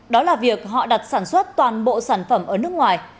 đó là việc họ đặt sản xuất toàn bộ sản phẩm ở nước ngoài